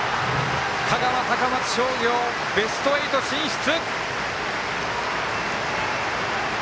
香川、高松商業ベスト８、進出！